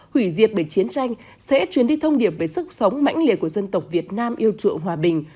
hủy diệt bởi chiến tranh sẽ truyền đi thông điệp về sức sống mãnh liệt của dân tộc việt nam yêu chuộng hòa bình